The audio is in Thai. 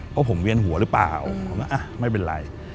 เพราะผมเวียนหัวหรือเปล่าผมว่าไม่เป็นไร